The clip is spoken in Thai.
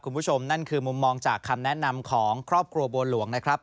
คุณผู้ชมนั่นคือมุมมองจากคำแนะนำของครอบครัวบัวหลวงนะครับ